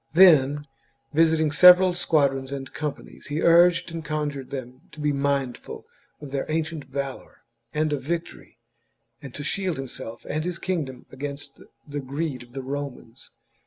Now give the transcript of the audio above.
Then, visiting the several squadrons and companies, he urged and conjured them to be mindful of their ancient valour and of victory, and to shield himself and his kingdom against the greed of the Romans.